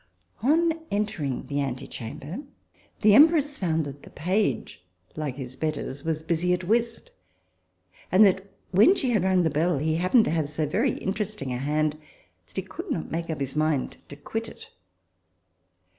On entering the antechamber, the Empress found that the page, like his betters, was busy at whist, and that, when she had rung the bell, he happened to have so very interesting a hand that he could not make up his mind to quit it.